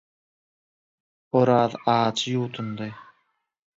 Oraz ajy ýuwdundy.